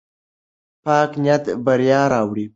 پاک نیت بریا راوړي.